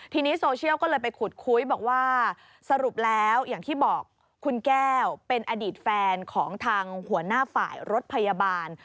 ทีนี้โซเชียลก็เลยไปขุดคุยบอกว่าสรุปแล้วอย่างที่บอกคุณแก้วเป็นอดีตแฟนของทางหัวหน้าฝ่ายรถพยาบาล